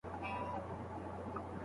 خوشحالي د قناعت په نتیجه کي راځي.